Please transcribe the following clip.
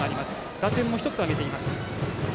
打点も１つ挙げています。